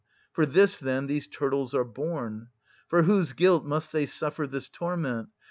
For this, then, these turtles are born. For whose guilt must they suffer this torment?